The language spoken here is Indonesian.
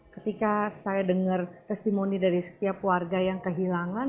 ketika saya dengar testimoni dari setiap warga yang kehilangan